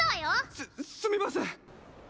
すっすみません！